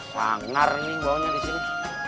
sangar nih baunya disini